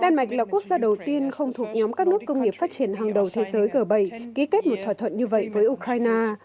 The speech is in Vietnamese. đan mạch là quốc gia đầu tiên không thuộc nhóm các nước công nghiệp phát triển hàng đầu thế giới g bảy ký kết một thỏa thuận như vậy với ukraine